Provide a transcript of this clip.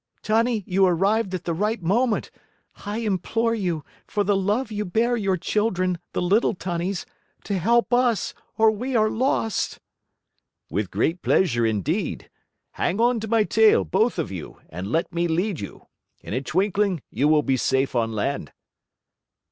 "Tunny, you arrived at the right moment! I implore you, for the love you bear your children, the little Tunnies, to help us, or we are lost!" "With great pleasure indeed. Hang onto my tail, both of you, and let me lead you. In a twinkling you will be safe on land."